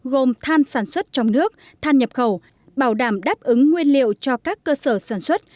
gồm than sản xuất trong nước than nhập khẩu bảo đảm đáp ứng nguyên liệu cho các cơ sở sản xuất